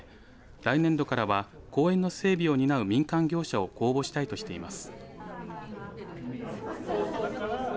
来年度からは公園の整備を担う民間業者を公募したいとしています。